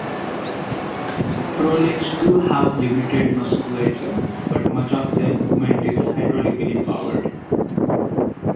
Prolegs do have limited musculature, but much of their movement is hydraulically powered.